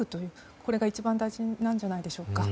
これが一番大事なんじゃないでしょうか。